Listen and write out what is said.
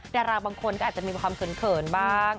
ดาราบางคนก็อาจจะมีความเขินบ้าง